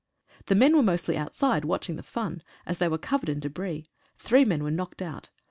The men were mostly outside watching the "fun," and they were covered in debris. Three men were knocked out.